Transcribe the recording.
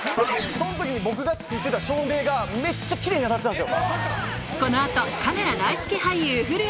そん時に僕が作ってた照明がめっちゃ奇麗に当たってたんです。